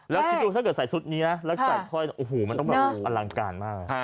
แล้วคิดดูถ้าเกิดใส่ชุดนี้นะแล้วใส่ถ้อยโอ้โหมันต้องแบบอลังการมาก